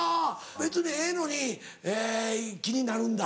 別にええのに気になるんだ。